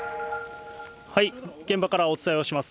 現場からお伝えをします。